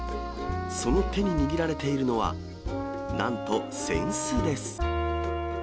その手に握られているのは、なんと扇子です。